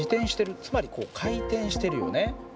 つまり回転してるよね。